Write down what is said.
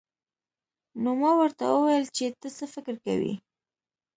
نو ما ورته وويل چې ته څه فکر کوې.